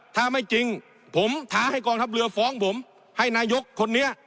ถ้าไม่จริงผมท้าให้กองทัพเรือฟ้องผมให้นายกคนนี้